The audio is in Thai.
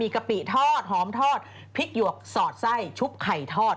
กะปิทอดหอมทอดพริกหยวกสอดไส้ชุบไข่ทอด